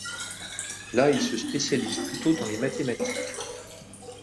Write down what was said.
Là, il se spécialise plutôt dans les mathématiques.